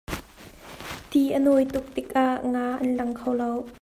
Ti a nawi tuk tikah nga an lang kho lo.